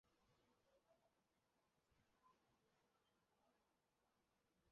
师恩祥十岁时便进入北京栅栏修道院修行。